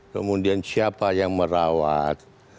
kemudian siapa yang merawat